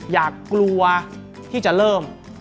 อยากกลัวที่จะเริ่ม